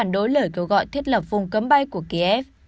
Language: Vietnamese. cũng phản đối lời kêu gọi thiết lập vùng cấm bay của kiev